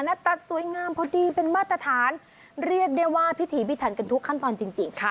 ตัดสวยงามพอดีเป็นมาตรฐานเรียกได้ว่าพิถีพิถันกันทุกขั้นตอนจริงจริงค่ะ